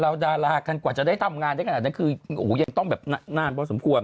เราดราคันกว่าจะได้ทำงานได้ไงแต่คือหูยังต้องแบบนามน้ำพอสมควร